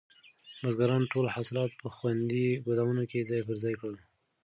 بزګرانو ټول حاصلات په خوندي ګودامونو کې ځای پر ځای کړل.